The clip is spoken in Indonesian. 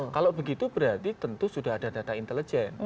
kalau begitu berarti tentu sudah ada data intelijen